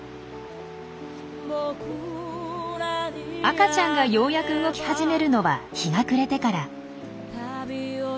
赤ちゃんがようやく動き始めるのは日が暮れてから。